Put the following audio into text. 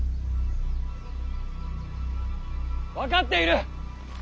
分かっている。